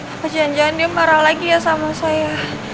apa jangan jangan dia marah lagi ya sama saya